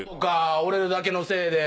俺だけのせいで。